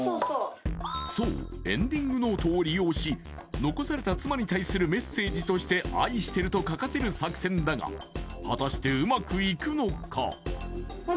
そうエンディングノートを利用し残された妻に対するメッセージとして愛してると書かせる作戦だが果たしてうまくいくのか？